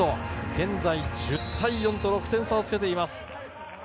現在、１０対４と６点差をつけています。